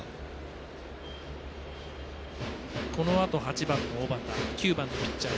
このあと８番の小幡９番のピッチャー